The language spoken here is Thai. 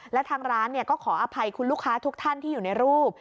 และทางร้านก็ขออภัยคุณลูกค้าทุกท่านที่อยู่ในรูป